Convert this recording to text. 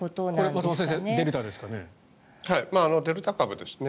松本先生デルタですかね？